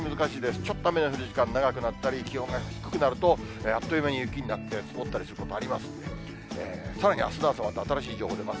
ちょっと雨の降る時間長くなったり、気温が低くなると、あっという間に雪になって、積もったりすることあります。